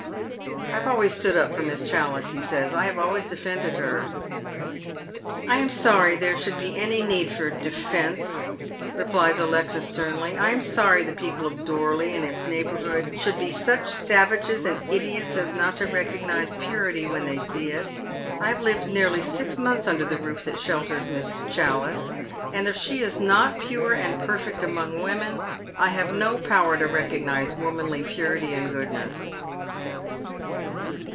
" I have always stood up for Miss Challice," he says, " I have always defended her." " I am sorry there should be any need for defence," replies Alexis, sternly. " I am sorry the people of Dorley and its neighbourhood should be such savages and idiots as not to recognise purity when they see it. I have lived nearly six months under the roof that shelters Miss Challice, and if she is not pure and perfect among women I have no power to recognise womanly puiity and goodness."